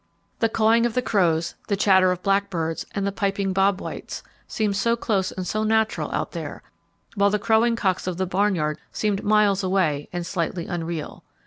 The cawing of the crows, the chatter of blackbirds, and the piping bob whites, sounded so close and so natural out there, while the crowing cocks of the barnyard seemed miles away and slightly unreal.